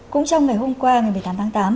cũng trong ngày hôm qua ngày một mươi tám tháng tám